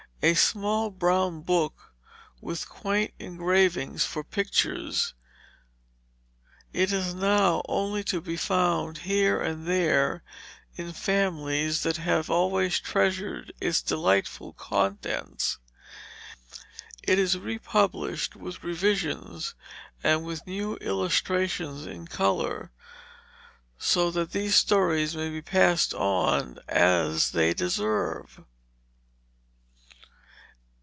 A small brown book with quaint engravings for pictures, it is now only to be found here and there in families that have always treasured its delightful contents. It is republished, with revisions and with new illustrations in color, so that these stories may be passed on as they deserve.